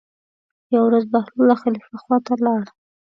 یوه ورځ بهلول د خلیفه خواته لاړ.